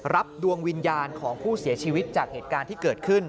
ดวงวิญญาณของผู้เสียชีวิตจากเหตุการณ์ที่เกิดขึ้น